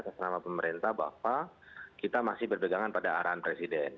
terhadap pemerintah bahwa kita masih berpegangan pada arahan presiden